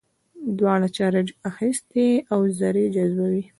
دواړو چارج اخیستی او ذرې جذبوي.